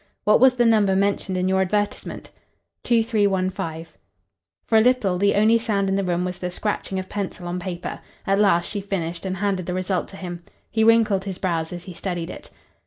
"What was the number mentioned in your advertisement?" "2315." For a little the only sound in the room was the scratching of pencil on paper. At last she finished, and handed the result to him. He wrinkled his brows as he studied it.